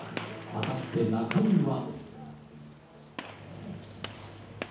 果たして中身は。